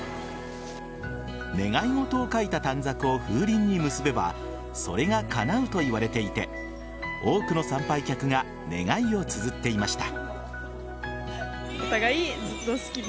願い事を書いた短冊を風鈴に結べばそれがかなうといわれていて多くの参拝客が願いをつづっていました。